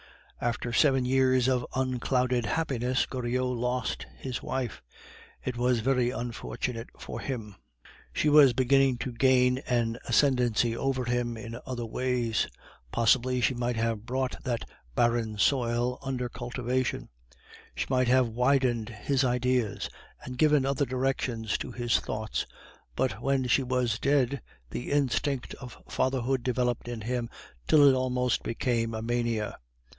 After seven years of unclouded happiness, Goriot lost his wife. It was very unfortunate for him. She was beginning to gain an ascendency over him in other ways; possibly she might have brought that barren soil under cultivation, she might have widened his ideas and given other directions to his thoughts. But when she was dead, the instinct of fatherhood developed in him till it almost became a mania.